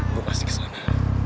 gue pasti kesana